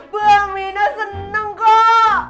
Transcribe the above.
bu aminah senang kok